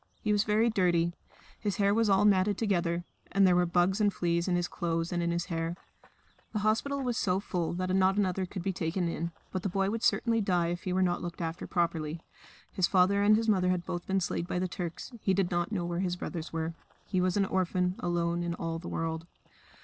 He was very dirty; his hair was all matted together; and there were bugs and fleas in his clothes and in his hair. The hospital was so full that not another could be taken in. But the boy would certainly die if he were not looked after properly. His father and his mother had both been slain by the Turks; he did not know where his brothers were. He was an orphan alone in all the world.